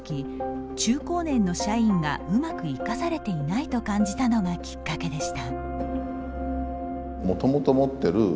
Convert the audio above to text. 中高年の社員がうまく生かされていないと感じたのがきっかけでした。